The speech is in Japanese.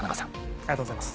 ありがとうございます。